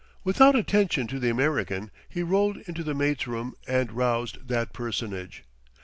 Without attention to the American he rolled into the mate's room and roused that personage.